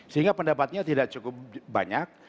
sehingga pendapatnya tidak cukup banyak